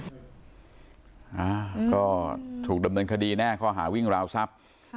อ่าก็ถูกดำเนินคดีแน่ข้อหาวิ่งราวทรัพย์